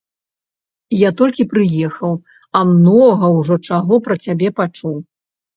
Я толькі прыехаў, а многа ўжо чаго пра цябе пачуў.